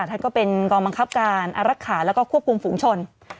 ท่านก็เป็นกองบังคับการอารักษาแล้วก็ควบคุมฝูงชน